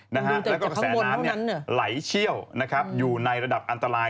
แล้วก็กระแสน้ำไหลเชี่ยวอยู่ในระดับอันตราย